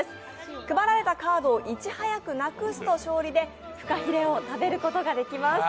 配られたカードをいち早くなくすと勝利してふかひれを食べることができます。